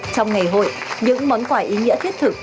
trong ngày hội những món quà ý nghĩa thiết thực